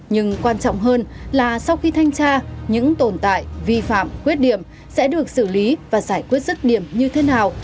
nhưng quan trọng hơn là sau khi thanh tra những tồn tại vi phạm khuyết điểm sẽ được xử lý và giải quyết rứt điểm như thế nào